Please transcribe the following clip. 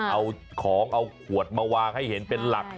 เอาของเอาขวดมาวางให้เห็นเป็นหลัก